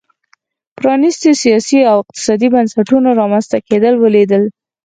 پرانیستو سیاسي او اقتصادي بنسټونو رامنځته کېدل ولیدل.